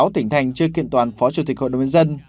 sáu tỉnh thành chưa kiện toàn phó chủ tịch hội đồng nhân dân